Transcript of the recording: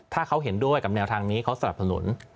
ถ้าเขาเห็นด้วยกับแนวทางนี้เขาสนับสนุน